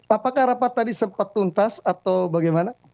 apakah rapat tadi sempat tuntas atau bagaimana